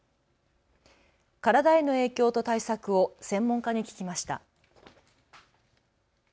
体への影響と対策を専門家に聞きました。